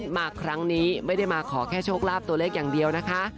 มาครั้งนี้ไม่ได้มาขอแค่โชคลาภตัวเลขอย่างเดียวนะคะ